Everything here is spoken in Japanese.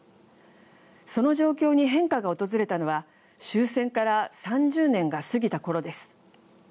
その状況に変化が訪れたのは終戦から３０年が過ぎたころです。